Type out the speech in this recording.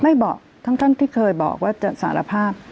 ไม่บอกทั้งที่เคยบอกว่าจะสารภาพ